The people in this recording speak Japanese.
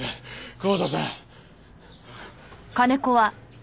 久保田さん。